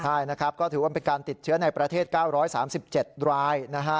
ใช่นะครับก็ถือว่าเป็นการติดเชื้อในประเทศ๙๓๗รายนะฮะ